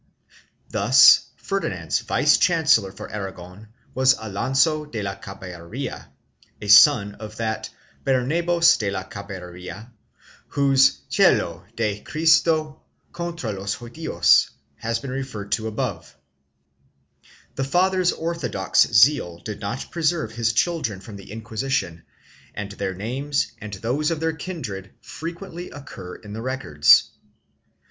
Thus Ferdinand's vice chancellor for Aragon was Alonso de la Caballeria, a son of that Bernabos de la Caballeria whose Qdo de Cristo contra los Judios has been referred to above (p. 115). The father's orthodox zeal did not preserve his children from the Inquisition and their names and those of their kindred frequently occur in the records.